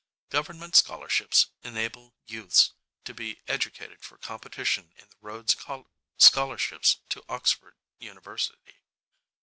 Government scholarships enable youths to be educated for competition in the Rhodes scholarships to Oxford University.